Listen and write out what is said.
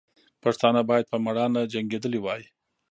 پښتانه باید په میړانه جنګېدلي وای.